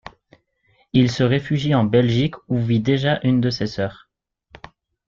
Il se réfugie en Belgique où vit déjà une de ses sœurs.